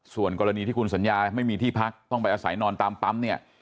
ส่วนกรณีที่คุณสัญญาไม่มีที่พักต้องไปอาศัยนอนตามปั๊มเนี่ย